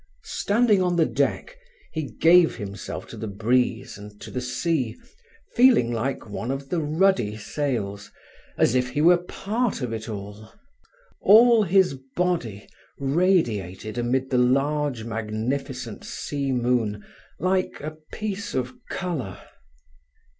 Standing on the deck, he gave himself to the breeze and to the sea, feeling like one of the ruddy sails—as if he were part of it all. All his body radiated amid the large, magnificent sea moon like a piece of colour.